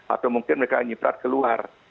atau mungkin mereka nyiprat keluar